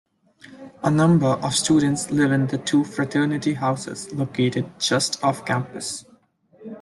A number of students live in the two fraternity houses located just off-campus.